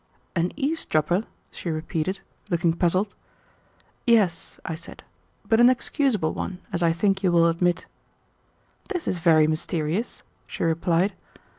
"An eavesdropper!" she repeated, looking puzzled. "Yes," I said, "but an excusable one, as I think you will admit." "This is very mysterious," she replied.